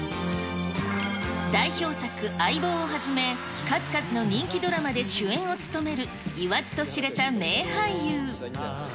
代表作、相棒をはじめ、数々の人気ドラマで主演を務める、言わずと知れた名俳優。